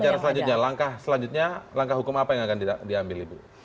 secara selanjutnya langkah selanjutnya langkah hukum apa yang akan diambil ibu